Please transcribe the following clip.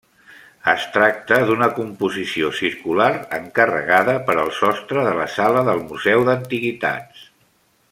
Es tracta d'una composició circular encarregada per al sostre de la sala del Museu d'Antiguitats.